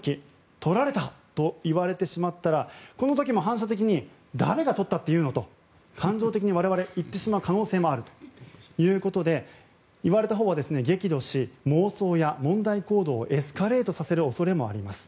盗られたと言われてしまったらこの時も反射的に誰が盗ったっていうの！って感情的に我々、言ってしまう可能性もあるということで言われたほうは激怒し妄想や問題行動をエスカレートさせる恐れもあります。